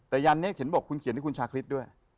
แต่ยันนี้เห็นบอกคุณเขียนให้คุณชาคริสต์ด้วย